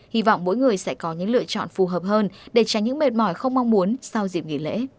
hy vọng mỗi người sẽ có những lựa chọn phù hợp hơn để tránh những mệt mỏi không mong muốn sau dịp nghỉ lễ